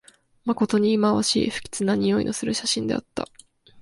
まことにいまわしい、不吉なにおいのする写真であった